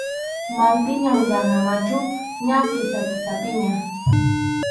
Maypiñam yana machu, ña Kisa-Kisapiña.